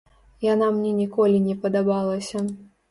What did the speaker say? Яна мне ніколі не падабалася.